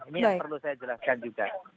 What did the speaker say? ini yang perlu saya jelaskan juga